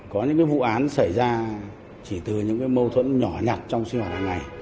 có những vụ án xảy ra chỉ từ những mâu thuẫn nhỏ nhặt trong sinh hoạt hàng ngày